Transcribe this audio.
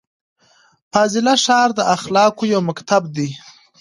فاضله ښار د اخلاقو یو مکتب دی.